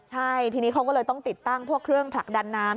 ใช่ทีนี้เขาก็เลยต้องติดตั้งพวกเครื่องผลักดันน้ำ